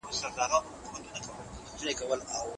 لوستې میندې د ماشومانو د خوړو پر مهال لاسونه پاکوي.